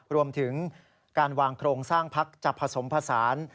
รวมถึงการวางโครงสร้างพักจะผสมผสาน